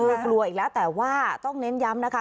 คือกลัวอีกแล้วแต่ว่าต้องเน้นย้ำนะคะ